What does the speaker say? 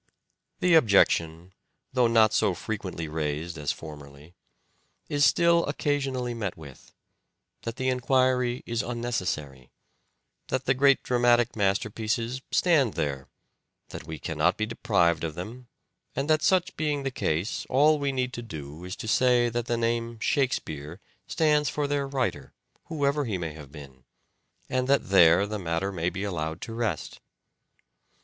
The objection, though not so frequently raised as CHARACTER OF THE PROBLEM 93 formerly, is still occasionally met with, that the A solution enquiry is unnecessary ; that the great dramatic requu masterpieces stand there, that we cannot be deprived of them, and that such being the case all we need to do is to say that the name " Shakespeare " stands for their writer, whoever he may have been, and that there the matter may be allowed to rest.